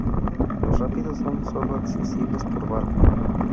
Los rápidos son sólo accesibles por barco.